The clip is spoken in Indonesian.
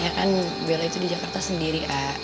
ya kan bella itu di jakarta sendiri a